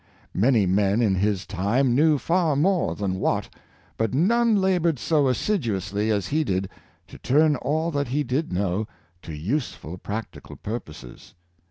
Many men in his time knew far more than Watt, but none labored so as siduously as he did to turn all that he did know to use ful practical purposes.